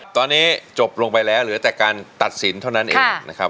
ตอนนี้จบลงไปแล้วเหลือแต่การตัดสินเท่านั้นเองนะครับ